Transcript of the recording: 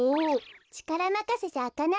ちからまかせじゃあかないのよ。